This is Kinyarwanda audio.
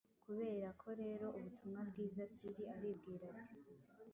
Kuberako rero Ubutumwa Bwiza Siri aribwira ati